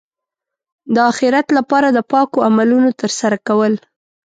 د اخرت لپاره د پاکو عملونو ترسره کول.